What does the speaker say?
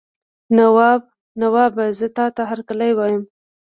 نوابه زه تاته هرکلی وایم.